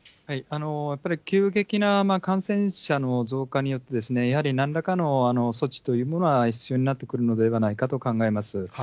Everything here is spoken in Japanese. やっぱり急激な感染者の増加によってですね、やはりなんらかの措置というものは必要になってくるのではないかと考えます。